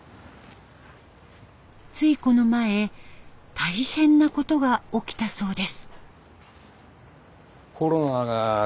ついこの前大変なことが起きたそうです。